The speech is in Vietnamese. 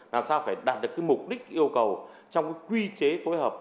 làm sao phải đạt được cái mục đích yêu cầu trong cái quy chế phối hợp